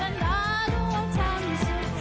ให้บรรดารวมทั้งสุดสี